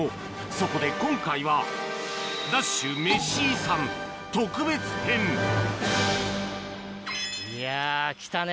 そこで今回は、ＤＡＳＨメシ遺産いやー、来たね。